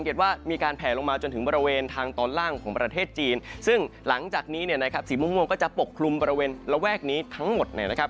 ก็จะทำให้อากาศในเมืองไทยของเราอย่างเช่นภาคเหนือภาคอีสานบริเวณทางตอนบนก็จะมีความเย็นต่อเนื่องยาวนานเช่นเดียวกันนะครับ